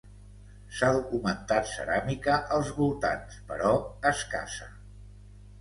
S'ha documentat ceràmica als voltants però escassa.